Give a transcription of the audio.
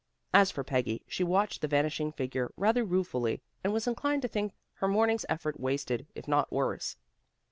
As for Peggy, she watched the vanishing figure rather ruefully, and was inclined to think her morning's effort wasted, if not worse.